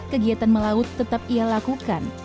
kegiatan melaut tetap ia lakukan